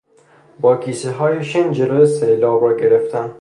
با کیسههای شن جلو سیلاب را گرفتن